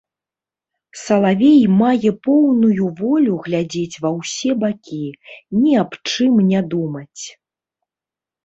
Салавей мае поўную волю глядзець ва ўсе бакі, ні аб чым не думаць.